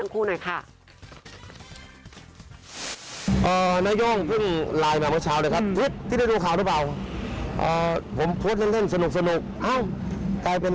คุณพ่ออาจารย์หน้าเพลงช่อยเพลงอะไรของนายโย่ง